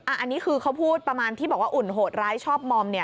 อันนี้คือเขาพูดประมาณที่บอกว่าอุ่นโหดร้ายชอบมอม